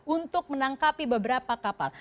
untuk menangkapi beberapa kapal